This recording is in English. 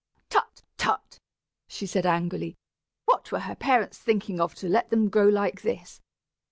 "Tut, tut," she said, angrily; "what were her parents thinking of to let them grow like this?"